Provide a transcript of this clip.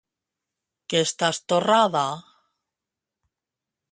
Que estàs torrada?